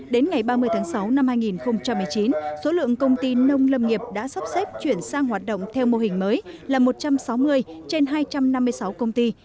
đến ngày ba mươi tháng sáu năm hai nghìn một mươi chín số lượng công ty nông lâm nghiệp đã sắp xếp chuyển sang hoạt động theo mô hình mới là một trăm sáu mươi trên hai trăm năm mươi sáu công ty